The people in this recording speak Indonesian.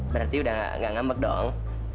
berarti udah gak ngambek dong